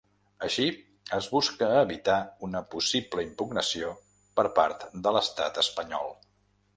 Així, es busca evitar una possible impugnació per part de l’estat espanyol.